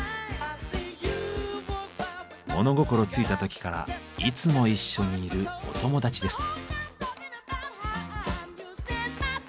物心ついた時からいつも一緒にいるお友達です。